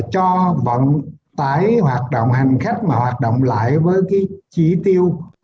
cho vận tái hoạt động hành khách mà hoạt động lại với cái trí tiêu